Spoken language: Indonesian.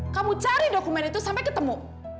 kamu cari dokumen itu sampai ketemu